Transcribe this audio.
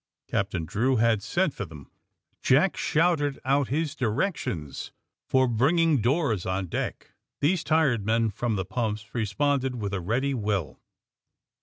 Captain Drew had sent for them. Jack shouted out his directions for bringing AND THE SMUGGLERS 131 doors on deck. These tired men from the pumps responded with a ready will.